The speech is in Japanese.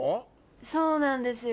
そうなんですよ。